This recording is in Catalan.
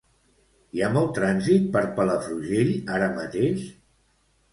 Hi ha molt trànsit per Palafrugell ara mateix?